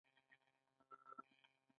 سختې شخړې د دې ډګر برخه دي.